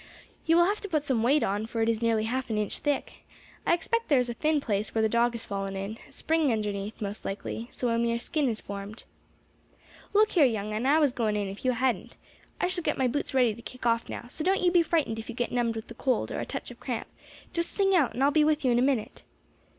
You will have to put some weight on, for it is nearly half an inch thick; I expect there is a thin place where the dog has fallen in a spring underneath, most likely, so a mere skin has formed. "Look here, young un, I was going in if you hadn't. I shall get my boots ready to kick off now, so don't you be frightened if you get numbed with the cold, or a touch of cramp; just sing out and I will be with you in a minute."